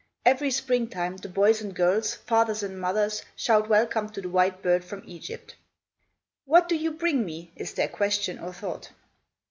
Every spring time, the boys and girls, fathers and mothers, shout welcome to the white bird from Egypt. "What do you bring me?" is their question or thought.